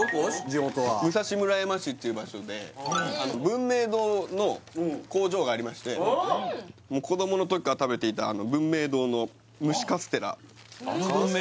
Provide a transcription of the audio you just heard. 地元は武蔵村山市っていう場所で文明堂の工場がありましてもう子どもの時から食べていたあのカステラ？